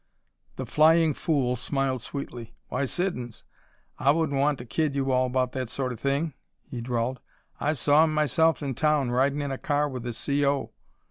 The "Flying Fool" smiled sweetly. "Why, Siddons, I wouldn't kid you all about that sort o' thing," he drawled. "I saw him myself, in town, ridin' in a car with the C.O.